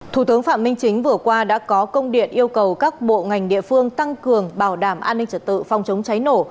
thủ tướng phạm minh chính vừa qua đã có công điện yêu cầu các bộ ngành địa phương tăng cường bảo đảm an ninh trật tự phòng chống cháy nổ